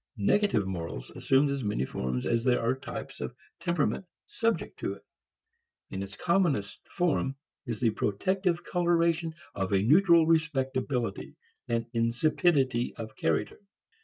Negative morals assume as many forms as there are types of temperament subject to it. Its commonest form is the protective coloration of a neutral respectability, an insipidity of character.